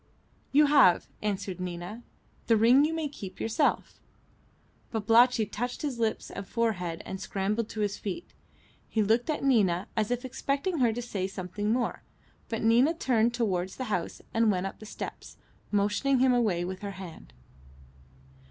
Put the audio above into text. "You have," answered Nina. "The ring you may keep yourself." Babalatchi touched his lips and forehead, and scrambled to his feet. He looked at Nina, as if expecting her to say something more, but Nina turned towards the house and went up the steps, motioning him away with her hand.